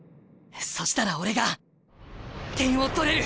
そしたら俺が点を取れる！